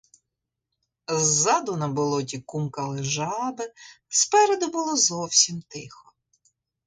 Ззаду на болоті кумкали жаби, спереду було зовсім тихо.